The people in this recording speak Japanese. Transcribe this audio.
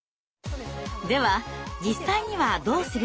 では実際にはどうすればいいのか？